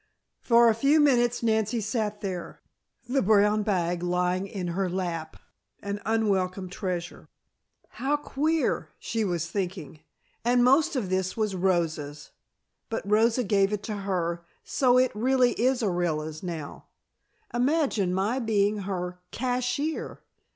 For a few minutes Nancy sat there, the brown bag lying in her lap, an unwelcome treasure. "How queer!" she was thinking. "And most of this was Rosa's. But Rosa gave it to her, so it really is Orilla's now. Imagine my being her cashier!"